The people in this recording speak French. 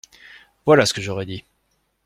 Voilà ce que j’aurais dit.